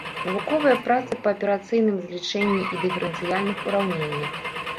Навуковыя працы па аперацыйным злічэнні і дыферэнцыяльных ураўненнях.